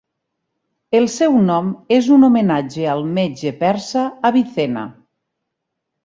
El seu nom és un homenatge al metge persa Avicenna.